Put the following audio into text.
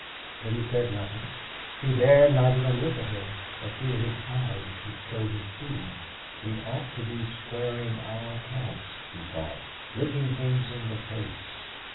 But he said nothing; he dared not even look at her, for fear his eyes should show his feeling. '.e ought to be squaring our accounts,' he thought 'looking things in the face.